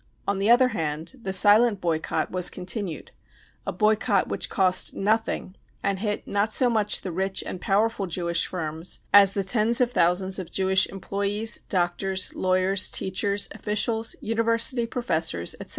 On the other hand, the silent boycott was con tinued, a boycott which cost nothing and hit not so much the rich and powerful Jewish firms as the tens of thousands of Jewish employees, doctors, lawyers, teachers, officials, university professors, etc.